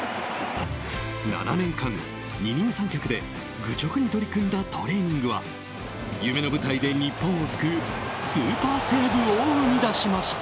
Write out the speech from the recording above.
７年間、二人三脚で愚直に取り組んだトレーニングは夢の舞台で日本を救うスーパーセーブを生み出しました。